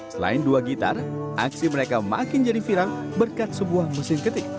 selain dua gitar aksi mereka makin jadi viral berkat sebuah mesin ketik